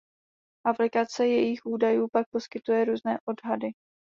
Aplikace jejich údajů pak poskytuje různé odhady.